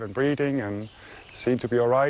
มันเหมือนจะไม่เป็นไร